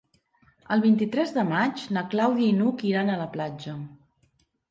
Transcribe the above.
El vint-i-tres de maig na Clàudia i n'Hug iran a la platja.